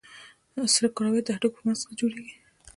سره کرویات د هډوکو په مغز کې جوړېږي.